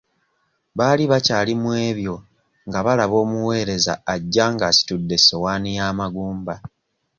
Baali bakyali mu ebyo nga balaba omuweereza ajja ng'asitudde essowaani y'amagumba.